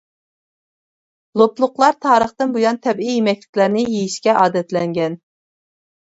لوپلۇقلار تارىختىن بۇيان تەبىئىي يېمەكلىكلەرنى يېيىشكە ئادەتلەنگەن.